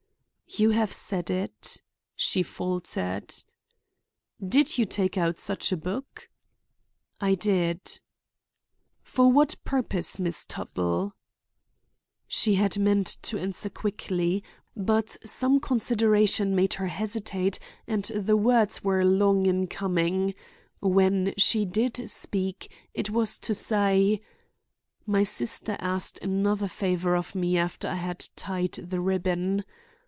"You have said it," she faltered. "Did you take such a book out?" "I did." "For what purpose, Miss Tuttle?" She had meant to answer quickly. But some consideration made her hesitate and the words were long in coming; when she did speak, it was to say: "My sister asked another favor of me after I had tied the ribbon.